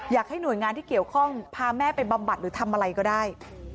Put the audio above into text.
อยากให้หน่วยงานที่เกี่ยวข้องพาแม่ไปบำบัดหรือทำอะไรก็ได้